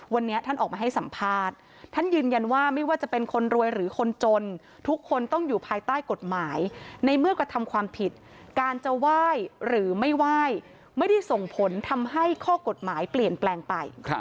วันนี้ท่านออกมาให้สัมภาษณ์ท่านยืนยันว่าไม่ว่าจะเป็นคนรวยหรือคนจนทุกคนต้องอยู่ภายใต้กฎหมายในเมื่อกระทำความผิดการจะไหว้หรือไม่ไหว้ไม่ได้ส่งผลทำให้ข้อกฎหมายเปลี่ยนแปลงไป